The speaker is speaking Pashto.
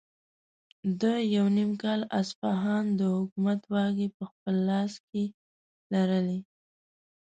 ده یو نیم کال اصفهان د حکومت واکې په خپل لاس کې لرلې.